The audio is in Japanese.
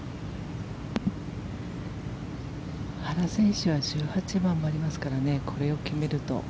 原選手は１８番もありますからこれを決めると。